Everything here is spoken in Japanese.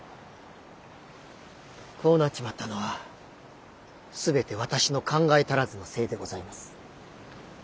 こうなっちまったのはすべて私の考え足らずのせいでございます。